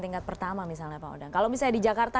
tingkat pertama misalnya pak odang kalau misalnya di jakarta